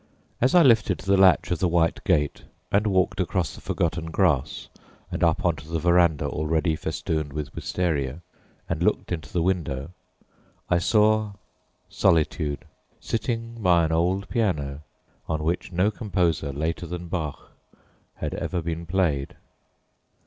As I lifted the latch of the white gate and walked across the forgotten grass, and up on to the veranda already festooned with wistaria, and looked into the window, I saw Solitude sitting by an old piano, on which no composer later than Bach had ever been played.